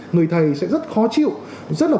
người thầy sẽ rất khó chịu rất là